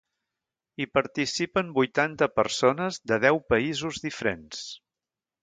Hi participen vuitanta persones de deu països diferents.